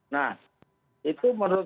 nah itu menurut